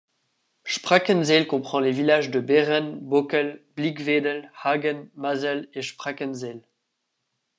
Sprakensehl comprend les villages de Behren, Bokel, Blickwedel, Hagen, Masel et Sprakensehl.